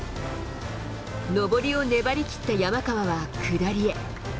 上りを粘り切った山川は下りへ。